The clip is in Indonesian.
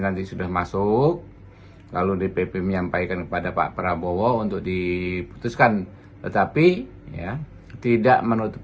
nanti sudah masuk lalu dpp menyampaikan kepada pak prabowo untuk diputuskan tetapi ya tidak menutup